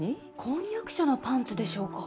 婚約者のパンツでしょうか？